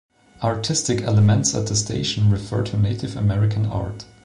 Artistic elements at the station refer to Native American art.